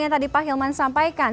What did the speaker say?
yang tadi pak hilman sampaikan